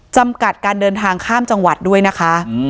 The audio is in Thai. จำกัดการเดินทางข้ามจังหวัดด้วยนะคะ